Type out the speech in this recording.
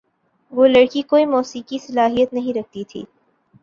وہ لڑکی کوئی موسیقی صلاحیت نہیں رکھتی تھی۔